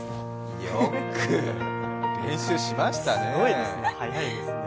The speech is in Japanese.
よく練習しましたね。